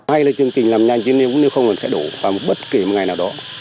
hay là chương trình làm nhanh chứ nếu không thì sẽ đổ vào bất kỳ một ngày nào đó